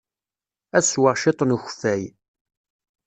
Ad sweɣ cwiṭ n ukeffay.